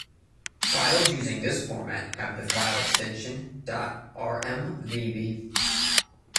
Files using this format have the file extension ".rmvb".